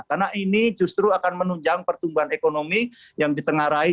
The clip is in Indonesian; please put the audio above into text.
karena ini justru akan menunjang pertumbuhan ekonomi yang ditengah raih